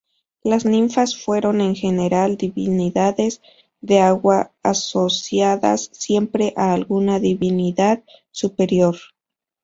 Las ninfas fueron, en general, divinidades de agua asociadas siempre a alguna divinidad superior.